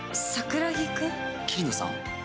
桐野さん？